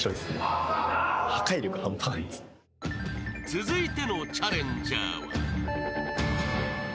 ［続いてのチャレンジャーは］